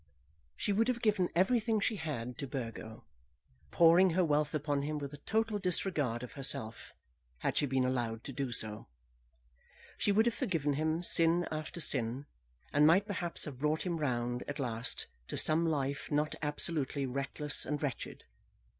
She would have given everything she had to Burgo, pouring her wealth upon him with a total disregard of herself, had she been allowed to do so. She would have forgiven him sin after sin, and might perhaps have brought him round, at last, to some life not absolutely reckless and wretched.